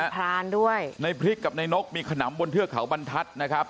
พรานด้วยในพริกกับในนกมีขนำบนเทือกเขาบรรทัศน์นะครับ